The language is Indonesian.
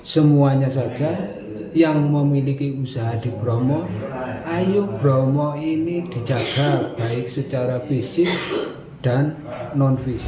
semuanya saja yang memiliki usaha di bromo ayo bromo ini dijaga baik secara fisik dan non fisik